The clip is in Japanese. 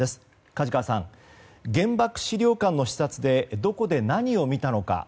梶川さん、原爆資料館の視察でどこで何を見たのか。